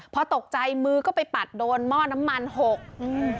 พอตกใจมือก็ไปปัดโดนหม้อน้ำมันหกอืม